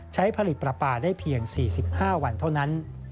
ใช้ผลิตปลาปลาได้เพียง๔๕วันเท่านั้น